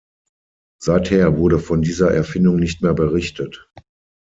Seither wurde von dieser Erfindung nicht mehr berichtet.